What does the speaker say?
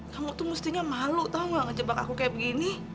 kamu tuh mestinya malu tau gak ngejebak aku kayak begini